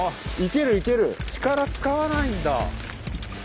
力使わないんだ。